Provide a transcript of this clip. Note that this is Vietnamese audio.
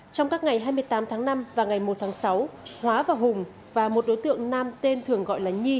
trong các ngày hai mươi tám tháng năm và ngày một tháng sáu hóa và hùng và một đối tượng nam tên thường gọi là nhi